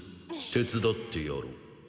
手伝ってやろう。